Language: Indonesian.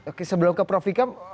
oke sebelum ke prof ikam